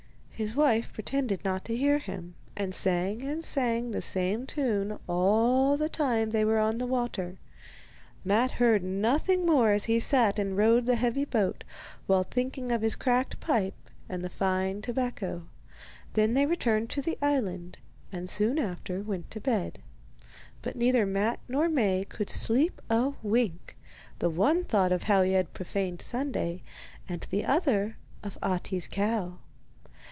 His wife pretended not to hear him, and sang and sang the same tune all the time they were on the water. Matte heard nothing more as he sat and rowed the heavy boat, while thinking of his cracked pipe and the fine tobacco. Then they returned to the island, and soon after went to bed. But neither Matte nor Maie could sleep a wink; the one thought of how he had profaned Sunday, and the other of Ahti's cow.